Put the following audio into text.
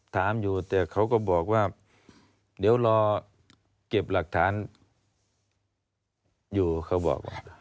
ถามอยู่แต่เขาก็บอกว่าเดี๋ยวรอเก็บหลักฐานอยู่เขาบอก